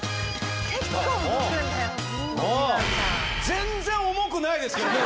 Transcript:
全然重くないですけどね